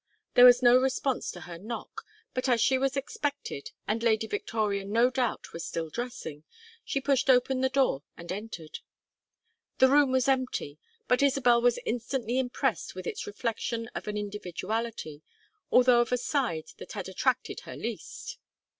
There was no response to her knock, but as she was expected, and Lady Victoria no doubt was still dressing, she pushed open the door and entered. The room was empty, but Isabel was instantly impressed with its reflection of an individuality, although of a side that had attracted her least.